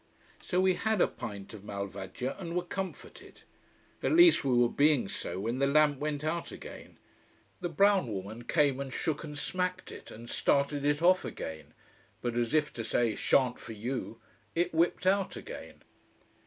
So we had a pint of malvagia, and were comforted. At least we were being so, when the lamp went out again. The brown woman came and shook and smacked it, and started it off again. But as if to say "Shan't for you", it whipped out again.